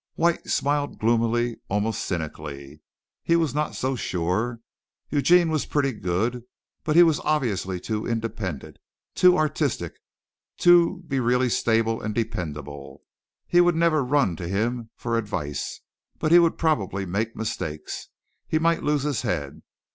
White smiled gloomily, almost cynically. He was not so sure. Eugene was pretty good, but he was obviously too independent, too artistic, to be really stable and dependable. He would never run to him for advice, but he would probably make mistakes. He might lose his head.